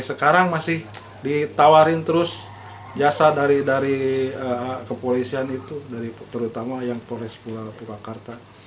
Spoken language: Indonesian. sekarang masih ditawarin terus jasa dari dari kepolisian itu dari terutama yang polres kuala